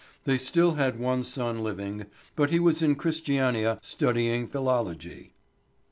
They still had one son living, but he was in Christiania studying philology.